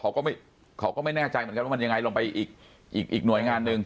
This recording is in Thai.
เขาก็ไม่เขาก็ไม่แน่ใจเหมือนกันว่ามันยังไงลงไปอีกอีกหน่วยงานหนึ่ง